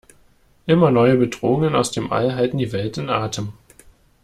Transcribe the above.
Immer neue Bedrohungen aus dem All halten die Welt in Atem.